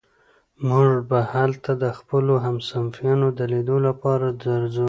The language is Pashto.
موږ به هلته د خپلو همصنفيانو د ليدو لپاره درځو.